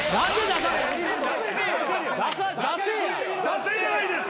出せないです！